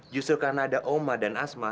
justru karena ada oma dan asma